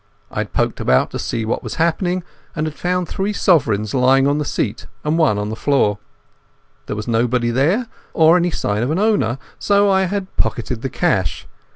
I had poked about to see what had happened, and had found three sovereigns lying on the seat and one on the floor. There was nobody there or any sign of an owner, so I had pocketed the cash.